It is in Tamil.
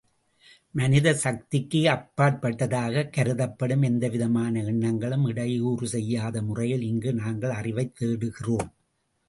மனித சக்திக்கு அப்பாற்பட்டதாகக் கருதப்படும் எந்த விதமான எண்ணங்களும் இடையூறு செய்யாத முறையிலே இங்கு நாங்கள் அறிவைத் தேடுகிறோம்.